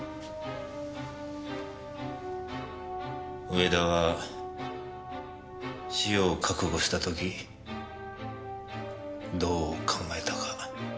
上田は死を覚悟した時どう考えたか。